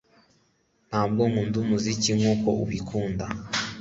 Ntabwo nkunda umuziki nkuko ubikunda